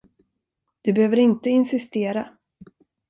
Du behöver inte insistera.